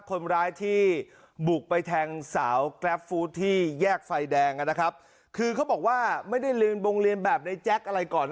คนร้ายที่บุกไปแทงสาวกราฟฟู้ดที่แยกไฟแดงนะครับคือเขาบอกว่าไม่ได้เรียนโรงเรียนแบบในแจ๊คอะไรก่อน